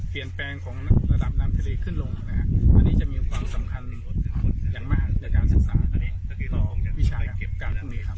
เปลี่ยนแปลงของระดับน้ำทะเลขึ้นลงอันนี้จะมีความสำคัญอย่างมากในการศักดิ์สารต่อวิชายการภูมิ